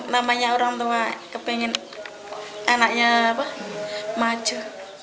namanya orang tua kepengen anaknya maju